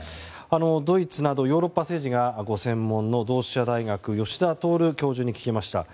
ドイツなどヨーロッパ政治がご専門の同志社大学吉田徹教授に聞きました。